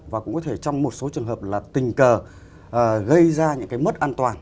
và cũng có thể trong một số trường hợp là tình cờ gây ra những cái mất an toàn